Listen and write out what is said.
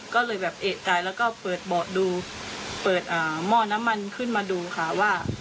ก็เลยแบบเอกใจแล้วก็เปิดเบาะดูเปิดหม้อน้ำมันขึ้นมาดูค่ะว่า